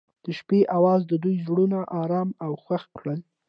د شپه اواز د دوی زړونه ارامه او خوښ کړل.